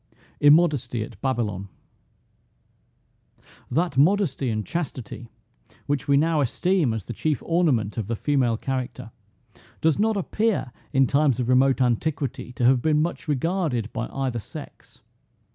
IMMODESTY AT BABYLON. That modesty and chastity, which we now esteem as the chief ornament of the female character, does not appear in times of remote antiquity to have been much regarded by either sex.